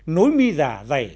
nối mi giả dày